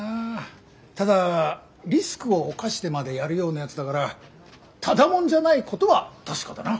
ただリスクを冒してまでやるようなやつだからただ者じゃないことは確かだな。